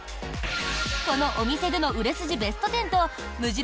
このお店での売れ筋ベスト１０と無印